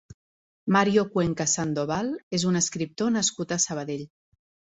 Mario Cuenca Sandoval és un escriptor nascut a Sabadell.